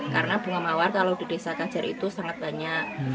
karena bunga mawar kalau di desa kacer itu sangat banyak